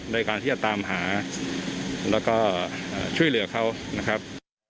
ในการที่จะตามหาแล้วก็ช่วยเหลือเขานะครับ